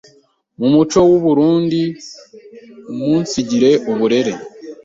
mu muco w’u Burunndi, umunsigire uburere